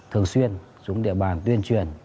thường xuyên xuống địa bàn tuyên truyền